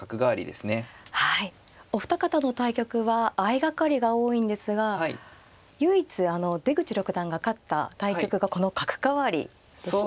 お二方の対局は相掛かりが多いんですが唯一出口六段が勝った対局がこの角換わりでしたね。